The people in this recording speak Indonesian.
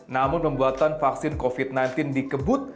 namun pembuatan vaksin covid sembilan belas dikebut